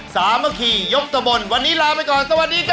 สามัคคียกตะบนวันนี้ลาไปก่อนสวัสดีครับ